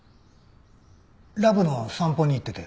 ラブの散歩に行ってて。